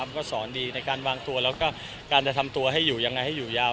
ก็สอนดีในการวางตัวแล้วก็การจะทำตัวให้อยู่ยังไงให้อยู่ยาว